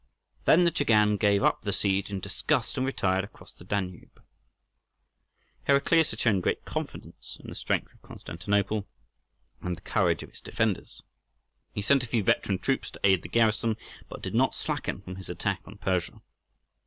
Then the Chagan gave up the siege in disgust and retired across the Danube. Heraclius had shown great confidence in the strength of Constantinople and the courage of its defenders. He sent a few veteran troops to aid the garrison, but did not slacken from his attack on Persia.